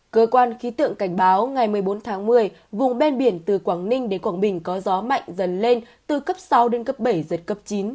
cơ quan khí tượng cảnh báo ngày một mươi bốn tháng một mươi vùng ven biển từ quảng ninh đến quảng bình có gió mạnh dần lên từ cấp sáu đến cấp bảy giật cấp chín